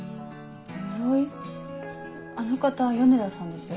あの方米田さんですよ。